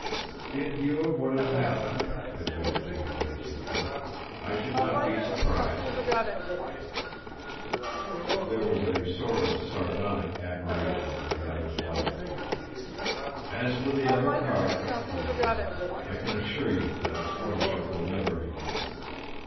"In view of what has happened," admitted Jimmie Dale simply, "I should not be surprised." There was a sort of sardonic admiration in the other's laugh. "As for the other car," he went on, "I can assure you that its ownership will never be known.